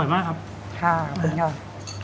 อร่อยมากครับค่ะเป็นยอด